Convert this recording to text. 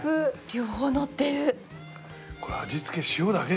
両方のってる！